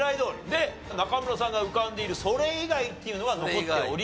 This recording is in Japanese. で中村さんが浮かんでいるそれ以外っていうのは残っております。